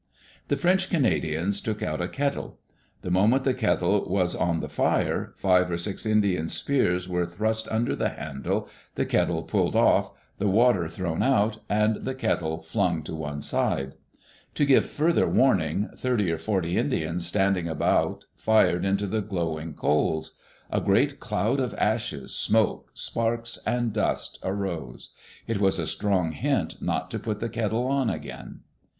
[The French Canadians took out a kettle. The moment Digitized by VjOOQ IC EARLY DAYS IN OLD OREGON the kettle was on the fire, five or six Indian spears were thrust under the handle, the kettle pulled off, the water thrown out, and the kettle flung to one side. To give further warning, thirty or forty Indians standing about fired into the glowing coals. A great cloud of ashes, smoke, sparks, and dust arose. It was a strong hint not to put the kettle on again.